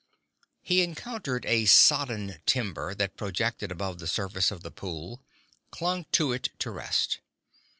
He encountered a sodden timber that projected above the surface of the pool, clung to it to rest.